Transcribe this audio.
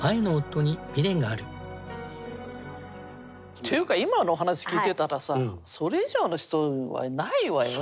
っていうか今のお話聞いてたらさそれ以上の人はいないわよね。